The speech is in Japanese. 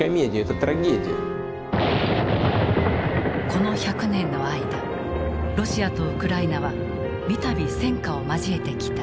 この１００年の間ロシアとウクライナは三度戦火を交えてきた。